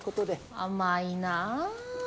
甘いなあ。